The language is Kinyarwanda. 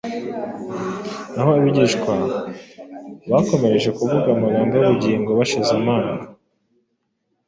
niho abigishwa bakomereje kuvuga amagambo y’ubugingo bashize amanga,